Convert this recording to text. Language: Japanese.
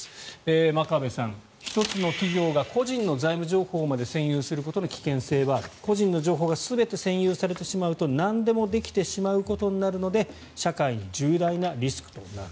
真壁さん、１つの企業が個人の財務情報まで占有することの危険性はある個人の情報が全て占有されてしまうとなんでもできてしまうことになるので社会に重大なリスクとなる。